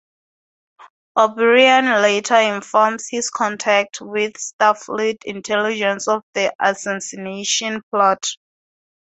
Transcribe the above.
O'Brien later informs his contact with Starfleet Intelligence of the assassination plot.